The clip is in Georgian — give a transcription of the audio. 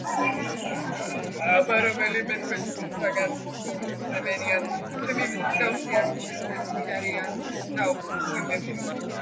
აბა რომელ თქვენთაგანს გსმენიათ, ჩემი მსგავსი ან ჩემზე მდიდარი და უხვი მეფეო.